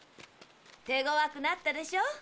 手ごわくなったでしょ？